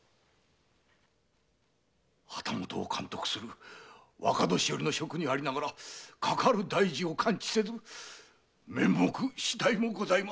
旗本を監督する若年寄の職にありながらかかる大事を関知せず面目次第もございません。